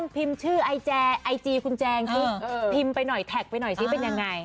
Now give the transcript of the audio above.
พิมพ์ไปหน่อยแท็กไปหน่อยซิเป็นยังไง